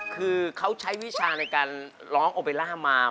คือเขาใช้วิชาในการร้องโอเบล่ามา